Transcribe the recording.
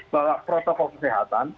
bahwa protokol kesehatan